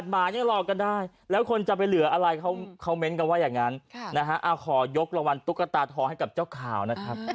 ไม่เหลืออะไรเขาเข้าเม้นต์กันว่าอย่างนั้นนะฮะอ้าวขอยกระวังตุ๊กตาทองให้กับเจ้าข่าวนะครับ